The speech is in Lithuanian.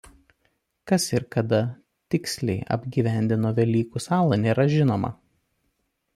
Kas ir kada tiksliai apgyvendino Velykų salą nėra žinoma.